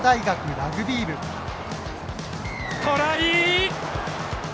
トライ！